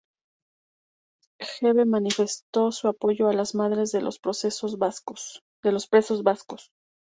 Hebe manifestó su apoyo a las madres de los presos vascos.